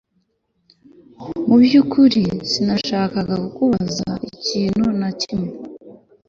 Mubyukuri sinashakaga kukubaza ikintu na kimwe